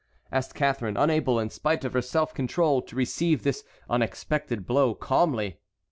asked Catharine, unable in spite of her self control to receive this unexpected blow calmly.